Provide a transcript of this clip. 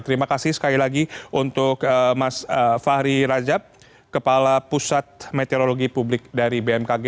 terima kasih sekali lagi untuk mas fahri rajab kepala pusat meteorologi publik dari bmkg